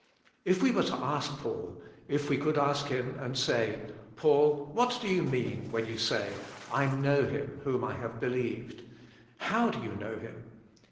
If we were to ask Paul, if we could ask Him and say, "Paul, what do you mean when you say, 'I know Him whom I have believed,' how do you know Him?"